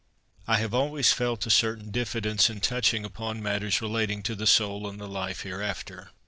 I have always felt a certain diffidence in touching upon matters relating to the soul and the life hereafter.